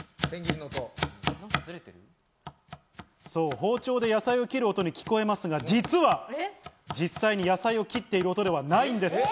包丁で野菜を切る音に聞こえますが、実は実際に野菜を切っている音ではないんです。